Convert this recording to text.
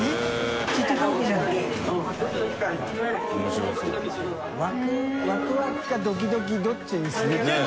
修Αワクワクかドキドキどっちにする？」という。